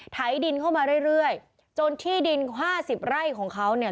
ไถดินเข้ามาเรื่อยจนที่ดินห้าสิบไร่ของเขาเนี่ย